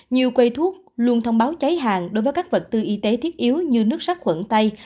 nhiều quầy thuốc luôn thông báo cháy hàng đối với các vật tư y tế thiết yếu như nước sắc khuẩn tay